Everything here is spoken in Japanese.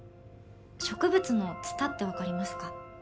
植物の蔦って分かりますか？